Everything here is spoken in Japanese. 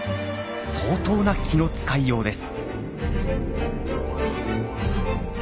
相当な気の遣いようです。